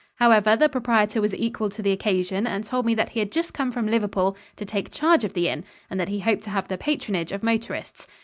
However, the proprietor was equal to the occasion and told me that he had just come from Liverpool to take charge of the inn and that he hoped to have the patronage of motorists.